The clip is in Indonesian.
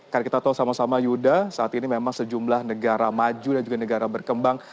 karena kita tahu sama sama yudha saat ini memang sejumlah negara maju dan juga negara berkembang